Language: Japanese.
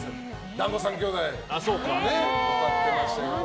「だんご三兄弟」を歌ってましたけど。